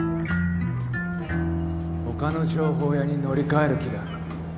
他の情報屋に乗り換える気だろ？